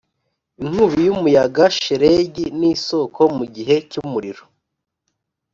inkubi y'umuyaga, shelegi, n'isoko mugihe cyumuriro,